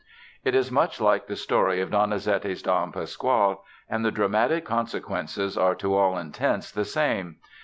It is much like the story of Donizetti's Don Pasquale and the dramatic consequences are to all intents the same.